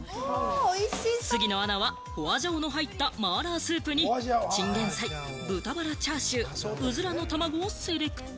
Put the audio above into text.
杉野アナはホアジャオの入ったマーラースープに、チンゲンサイ、豚バラチャーシュー、ウズラの卵をセレクト。